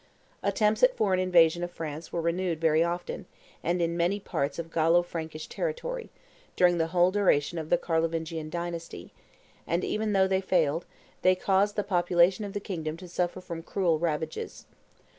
Attempts at foreign invasion of France were renewed very often, and in many parts of Gallo Frankish territory, during the whole duration of the Carlovingian dynasty, and, even though they failed, they caused the population of the kingdom to suffer from cruel ravages.